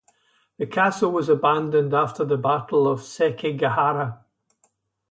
The castle was abandoned after the Battle of Sekigahara.